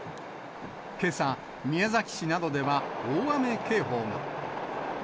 けさ、宮崎市などでは大雨警報が。